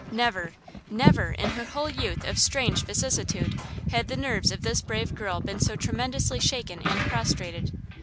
Never–never–in her whole youth of strange vicissitude, had the nerves of this brave girl been so tremendously shaken and prostrated.